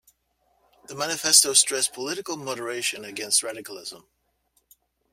The manifesto stressed political moderation against radicalism.